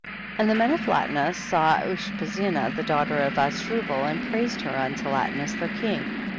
15. And the men of Latinus saw Ushpezena, the daughter of Azdru bal, and praised her unto Latinus their king.